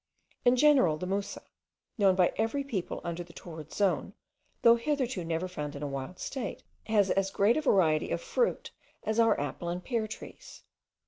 In general, the musa, known by every people under the torrid zone, though hitherto never found in a wild state, has as great a variety of fruit as our apple and pear trees.